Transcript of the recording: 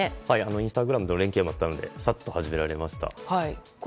インスタグラムとの連携でさっと始められました。